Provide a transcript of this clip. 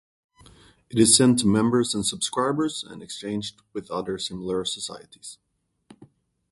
It is sent to members and subscribers, and exchanged with other similar societies.